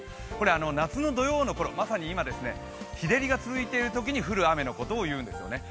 夏の土用の頃、まさに今日照りが続いているときに降る雨なんですよね。